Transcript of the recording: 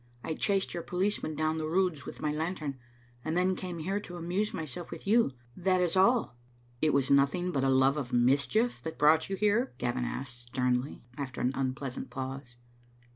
I chased your policeman down the Roods with my lantern, and then came here to amuse myself with you. That is all." " It was nothing but a love of mischief that brought you here?" Gavin asked, sternly, after an unpleasant pause.